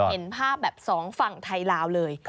เห็นภาพแบบสองฝั่งไทยลาวเลย